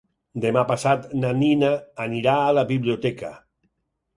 Demà passat na Nina anirà a la biblioteca.